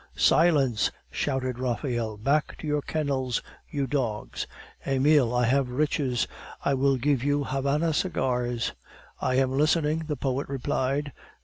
"Silence!" shouted Raphael. "Back to your kennels, you dogs! Emile, I have riches, I will give you Havana cigars!" "I am listening," the poet replied.